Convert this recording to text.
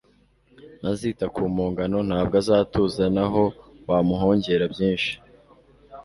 Ntazita ku mpongano Ntabwo azatuza naho wamuhongera byinshi